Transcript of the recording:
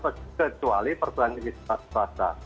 atau kecuali perbuatan tinggi swasta